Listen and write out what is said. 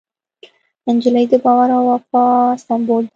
نجلۍ د باور او وفا سمبول ده.